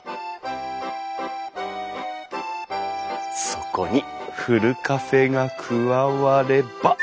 そこにふるカフェが加われば。